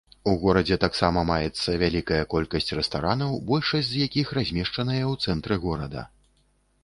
У горадзе таксама маецца вялікая колькасць рэстаранаў, большасць з якіх размешчаныя ў цэнтры горада.